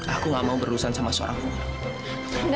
aku gak mau berurusan sama seorang aku